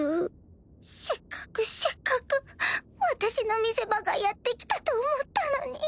せっかくせっかく私の見せ場がやって来たと思ったのに。